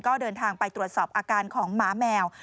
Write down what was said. ก็เดินทางไปตรวจสอบอาการของหมาแมว